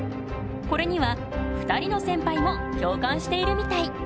これには２人のセンパイも共感しているみたい。